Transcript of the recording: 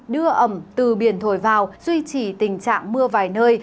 đưa ẩm từ biển thổi vào duy trì tình trạng mưa vài nơi